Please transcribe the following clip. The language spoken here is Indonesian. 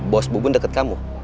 bos bubun deket kamu